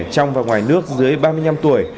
trong và ngoài nước dưới ba mươi năm tuổi